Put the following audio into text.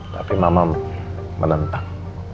tapi mama menentang